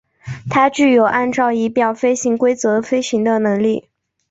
它具有按照仪表飞行规则飞行的能力。